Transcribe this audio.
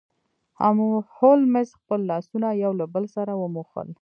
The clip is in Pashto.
هولمز خپل لاسونه یو له بل سره وموښل.